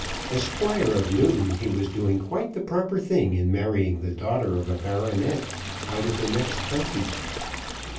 As Squire of Newton, he was doing quite the proper thing in marrying the daughter of a baronet out of the next county.